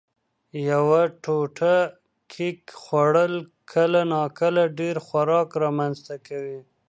یوه ټوټه کېک خوړل کله ناکله ډېر خوراک رامنځ ته کوي.